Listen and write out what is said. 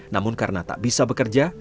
namun karena tak bisa bekerja